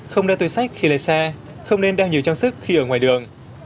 không đeo túi sách khi lấy xe không nên đeo nhiều trang sức khi ở ngoài đường